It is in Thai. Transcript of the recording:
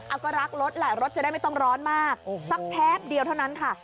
เอาก็รักรถแหละรถจะได้ไม่ต้องร้อนมากสักแพบเดียวเท่านั้นค่ะ